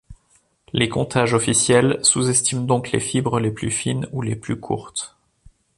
Les comptages officiels sous-estiment donc les fibres les plus fines ou les plus courtes.